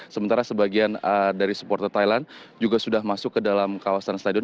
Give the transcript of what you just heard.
sementara sebagian dari supporter thailand juga sudah masuk ke dalam kawasan stadion